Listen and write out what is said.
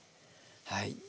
はい。